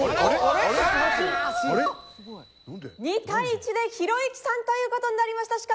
２対１でひろゆきさんという事になりました。